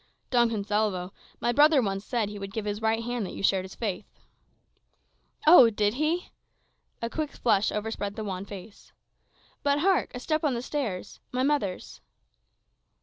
"Don Gonsalvo, my brother once said he would give his right hand that you shared his faith." "Oh, did he?" A quick flush overspread the wan face. "But hark! a step on the stairs! My mother's."